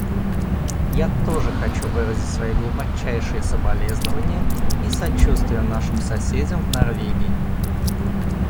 Я тоже хочу выразить свои глубочайшие соболезнования и сочувствие нашим соседям в Норвегии.